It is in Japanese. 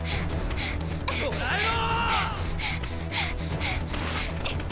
・捕らえろ！